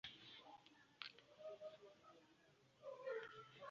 Kinunku ye mmere ya lumonde akuumuuka.